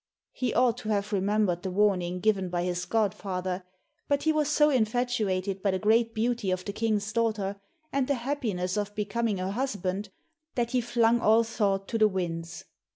He ought to have remembered the warning given by his godfather, but he was so infatuated by the great beauty of the King's daughter, and the happiness of becoming her husband, that he flung all thought to the winds.